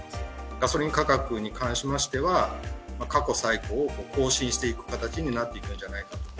ガソリン価格に関しましては、過去最高を更新していく形になっていくんじゃないかなと。